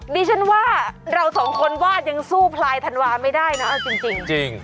ดิฉันว่าเราสองคนวาดยังสู้พลายธันวาไม่ได้นะเอาจริง